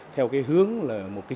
theo cái hướng là một cái